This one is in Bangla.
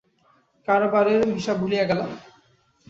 কারবারের হিসাব ভুলিয়া গেলাম।